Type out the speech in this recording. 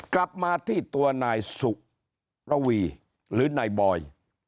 กลับมาที่ตัวนายสุระวีหรือนายบอย